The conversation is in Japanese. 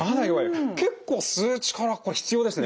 結構吸う力これ必要ですね。